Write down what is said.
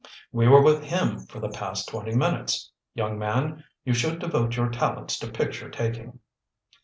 "We were with him for the past twenty minutes. Young man, you should devote your talents to picture taking."